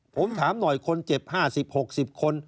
ผมถามหน่อยคนเจ็บ๕๐๖๐คน